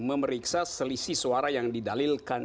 memeriksa selisih suara yang didalilkan